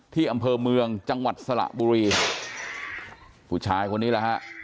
ที่อำเพิร์นเมืองจังหวัดสหบุรีผู้ชายคนนี้นะคะ